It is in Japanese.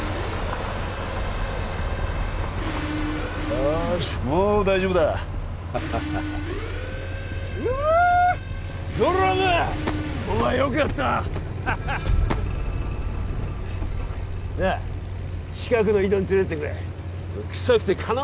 よしもう大丈夫だハハハイヨーッドラムお前よくやったハハッなあ近くの井戸に連れてってくれ臭くてかな